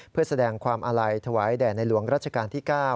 เพื่อแสดงความอาลัยถวายแด่ในหลวงรัชกาลที่๙